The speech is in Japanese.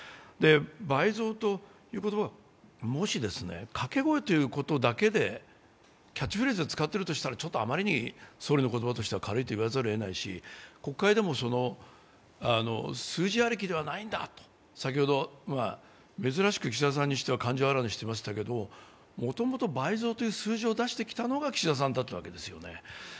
倍増という言葉が、もし掛け声といいうだけでキャッチフレーズとして使っているだけとすれば総理の言葉としては軽いと言わざるをえないし、国会でも数字ありきではないんだと、先ほど、珍しく岸田さんにしては感情をあらわにしていましたけど、もともと数字を出してきたのが岸田さんだったわけですよね。